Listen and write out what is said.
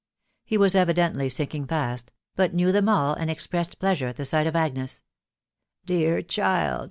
He was evidently sinking fast, but knew them all, and expressed pleasure at the sight of Agnes. " Dear child